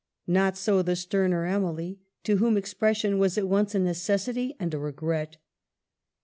Not so the sterner Emily, to whom expression was at once a necessity and a regret.